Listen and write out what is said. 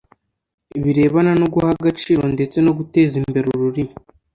birebana no guha agaciro ndetse no guteza imbere ururimi